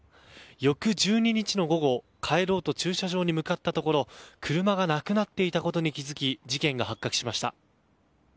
翌１２日の午後、帰ろうと駐車場に向かったところ車が無くなっていたことに気づき事件が発覚しました。